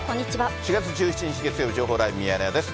４月１７日月曜日、情報ライブミヤネ屋です。